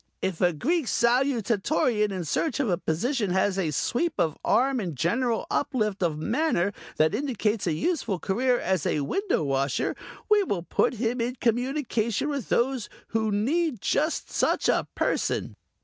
If a Greek Salutatorian in search of a position has the sweep of arm and general uplift of manner that indicates a useful career as a window washer, we will put him in communication with those who need just such a person."